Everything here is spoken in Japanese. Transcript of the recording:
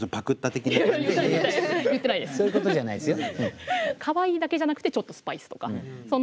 そういうことじゃないですよ。